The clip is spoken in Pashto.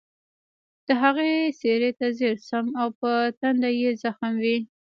د هغې څېرې ته ځیر شوم او په ټنډه یې زخم و